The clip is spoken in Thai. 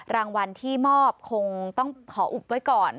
รางวัลที่มอบคงต้องขออุบไว้ก่อน